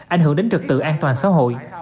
ảnh hưởng đến trật tự an toàn xã hội